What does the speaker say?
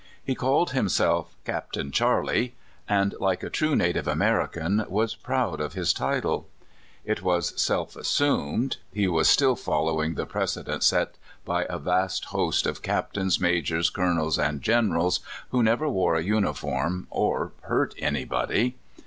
He called himself *' Captain Charley," and, like a true native American, was proud of his title. If it was self assumed, he was (133) 134 CALIFORNIA SKETCHES. still following the precedent set by a vast host of captains, majors, colonels, and generals, who never wore a uniform or hurt anybody.